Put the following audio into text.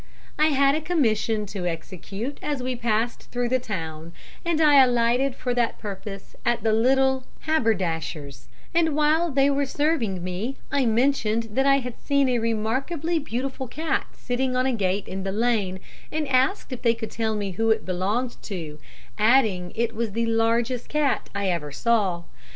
"I had a commission to execute as we passed through the town, and I alighted for that purpose at the little haberdasher's; and while they were serving me I mentioned that I had seen a remarkably beautiful cat sitting on a gate in the lane, and asked if they could tell me who it belonged to, adding it was the largest cat I ever saw.